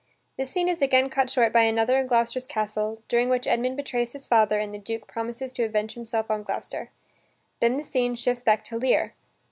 This scene is again cut short by another in Gloucester's castle, during which Edmund betrays his father and the Duke promises to avenge himself on Gloucester. Then the scene shifts back to Lear.